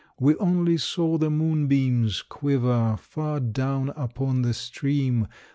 We only saw the moonbeams quiver Far down upon the stream!